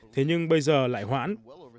thế nhưng bây giờ lại hoãn